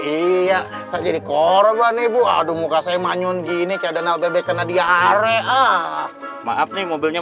iya jadi korban ibu aduh muka saya manyun gini kayak ada nalbebek kena diare ah maaf nih mau beli air